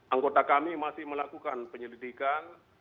anggota kami masih melakukan penyelidikan